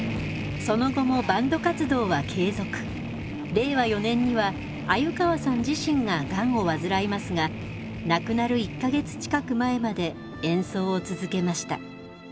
令和４年には鮎川さん自身ががんを患いますが亡くなる１か月近く前まで演奏を続けました。